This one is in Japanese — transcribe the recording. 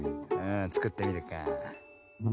つくってみるか。